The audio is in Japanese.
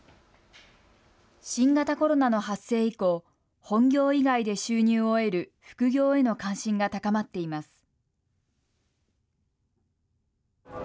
新型コロナの発生以降、本業以外で収入を得る副業への関心が高まっています。